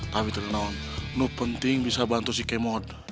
tapi ternyawa lu penting bisa bantu si kmod